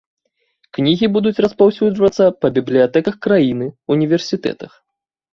Кнігі будуць распаўсюджвацца па бібліятэках краіны, універсітэтах.